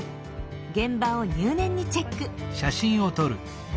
現場を入念にチェック。